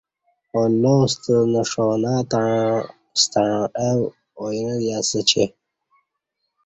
اللہ ستہ نݜانہ تݩع ستݩع او اینہ اسہ چہ